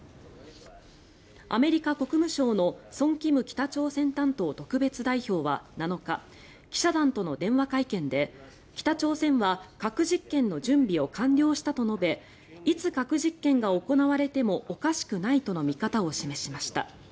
アメリカ国務省のソン・キム北朝鮮担当特別代表は７日記者団との電話会見で北朝鮮は核実験の準備を完了したと述べいつ核実験が行われてもおかしくないとの見方を示しました。